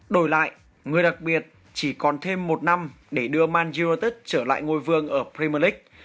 đổi lại người đặc biệt chỉ còn thêm một năm để đưa man utd trở lại ngôi vương ở premier league